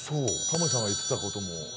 タモリさんが言ってた事も。